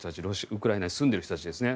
ウクライナに住んでいる人たちですね